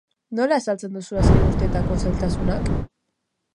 Nola azaltzen duzu azken urteetako zailtasunak?